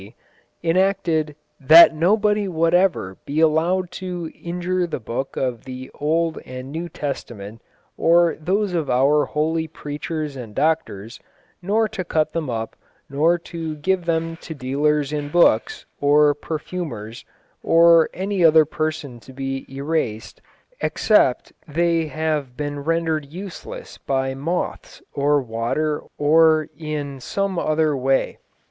D., enacted "That nobody whatever be allowed to injure the book of the Old and New Testament, or those of our holy preachers and doctors, nor to cut them up, nor to give them to dealers in books, or perfumers, or any other person to be erased, except they have been rendered useless by moths or water or in some other way.